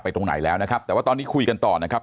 ตรงไหนแล้วนะครับแต่ว่าตอนนี้คุยกันต่อนะครับ